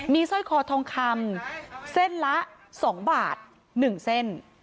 มีซ่อยคอทองคำเส้นละสองบาทหนึ่งเส้น